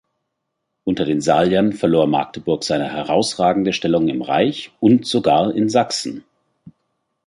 Unter den Saliern verlor Magdeburg seine herausragende Stellung im Reich und sogar in Sachsen.